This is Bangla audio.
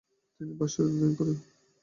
তিনি ভাষাটি অধ্যয়ন করেন।